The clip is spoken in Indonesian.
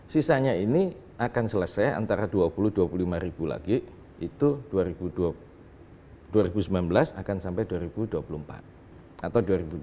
sisanya ini akan selesai antara dua puluh dua puluh lima ribu lagi itu dua ribu sembilan belas akan sampai dua ribu dua puluh empat atau dua ribu dua puluh empat